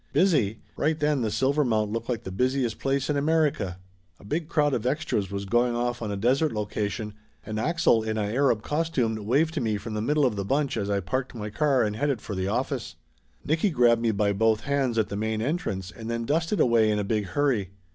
Busy ? Right then the Silvermount looked like the busiest place in Amer ica. A big crowd of extras was going off on a desert location, and Axel in a Arab costume waved to me from the middle of the bunch as I parked my car and headed for the office. Nicky grabbed me by both hands at the main entrance, and then dusted away in a big hurry.